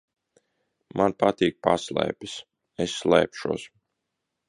Man patīk paslēpes. Es slēpšos.